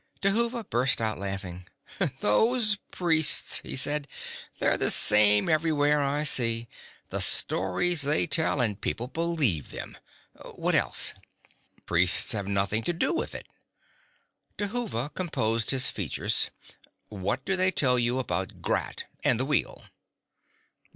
Dhuva burst out laughing. "Those priests," he said. "They're the same everywhere, I see. The stories they tell, and people believe them. What else?" "Priests have nothing to do with it." Dhuva composed his features. "What do they tell you about Grat, and the Wheel?"